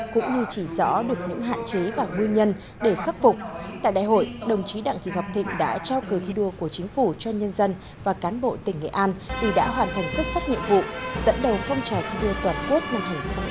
cũng như chỉ rõ được những hạn chế và nguyên nhân để khắc phục tại đại hội đồng chí đặng thị ngọc thịnh đã trao cờ thi đua của chính phủ cho nhân dân và cán bộ tỉnh nghệ an vì đã hoàn thành xuất sắc nhiệm vụ dẫn đầu phong trào thi đua toàn quốc năm hai nghìn hai mươi ba